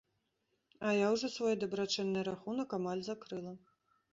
А я ўжо свой дабрачынны рахунак амаль закрыла.